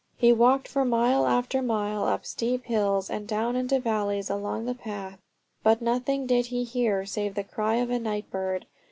He walked for mile after mile up steep hills and down into valleys along the path; but nothing did he hear save the cry of a night bird.